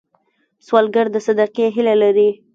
سوالګر د صدقې هیله لري